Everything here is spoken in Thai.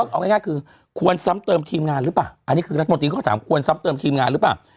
เอาง่ายคือควรซ้ำเติมทีมงานหรือเปล่าอันนี้คือรัฐมนตรีเขาก็ถามควรซ้ำเติมทีมงานหรือเปล่า